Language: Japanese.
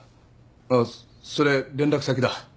あっそれ連絡先だ。